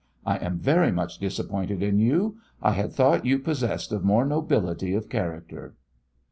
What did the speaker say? I am very much disappointed in you. I had thought you possessed of more nobility of character!"